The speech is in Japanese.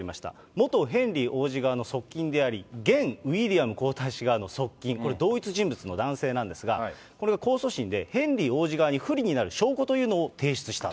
元ヘンリー王子側の側近であり、現ウィリアム皇太子側の側近、これ、同一人物の男性なんですが、これが控訴審で、ヘンリー王子側に不利になる証拠というのを提出した。